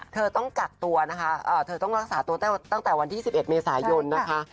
เธอต้องกักตัวนะคะเธอต้องรักษาตัวตั้งแต่วันที่๑๑เมษายนนะคะ